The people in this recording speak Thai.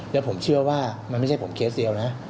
แล้วผมเชื่อว่ามันไม่ใช่ผมเคสเดียวนะ